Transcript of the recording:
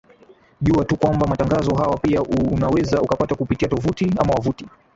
jua tu kwamba matangazo hawa pia unaweza ukapata kupitia tovuti ama wavuti